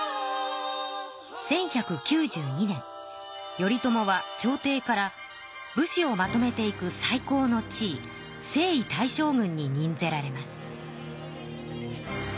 頼朝はちょうていから武士をまとめていく最高の地位征夷大将軍に任ぜられます。